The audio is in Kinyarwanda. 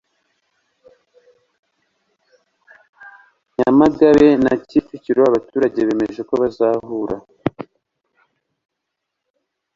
Nyamagabe na Kicukiro abaturage bemeje ko bazahura